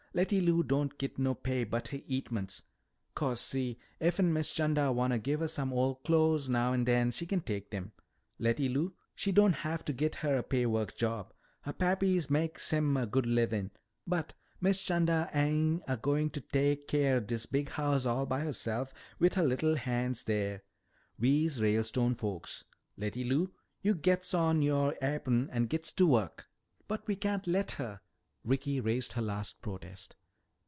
Letty Lou don' git no pay but her eatments. 'Co'se, effen Miss 'Chanda wanna give her some ole clo's now an' den, she kin tak' dem. Letty Lou, she don' hav' to git her a pay work job, her pappy mak's him a good livin'. But Miss 'Chanda ain' a goin' to tak' keer dis big hous' all by herself wit' her lil' han's dere. We's Ralestone folks. Letty Lou, yo' gits on youah ap'on an' gits to work." "But we can't let her," Ricky raised her last protest.